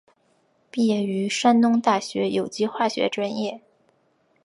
毕业于山东大学有机化学专业。